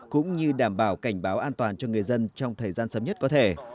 cũng như đảm bảo cảnh báo an toàn cho người dân trong thời gian sớm nhất có thể